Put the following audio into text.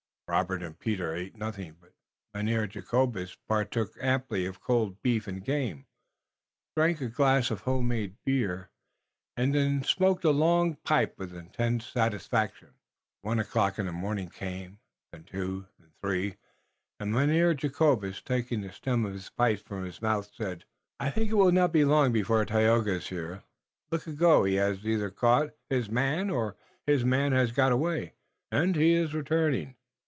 Robert and Peter ate nothing, but Mynheer Jacobus partook amply of cold beef and game, drank a great glass of home made beer, and then smoked a long pipe with intense satisfaction. One o'clock in the morning came, then two, then three, and Mynheer Jacobus, taking the stem of his pipe from his mouth, said: "I think it will not be long now before Tayoga iss here. Long ago he hass either caught hiss man or hiss man hass got away, und he iss returning.